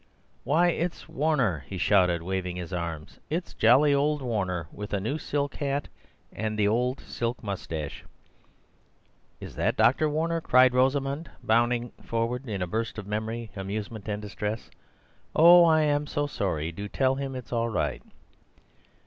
"Why, it's Warner!" he shouted, waving his arms. "It's jolly old Warner— with a new silk hat and the old silk moustache!" "Is that Dr. Warner?" cried Rosamund, bounding forward in a burst of memory, amusement, and distress. "Oh, I'm so sorry! Oh, do tell him it's all right!"